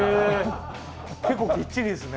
結構きっちりですね。